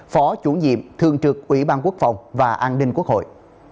phó chủ nhiệm thường trực ủy ban quốc phòng và an ninh quốc hội